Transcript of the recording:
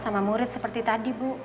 sama murid seperti tadi bu